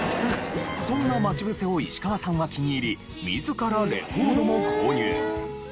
そんな『まちぶせ』を石川さんは気に入り自らレコードも購入。